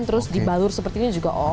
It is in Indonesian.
terus dibalur seperti ini juga oke